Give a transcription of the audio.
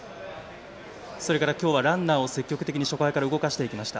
それから今日はランナーを積極的の初回から動かしていきました。